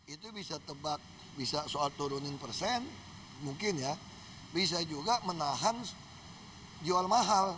itu bisa tebak bisa soal turunin persen mungkin ya bisa juga menahan jual mahal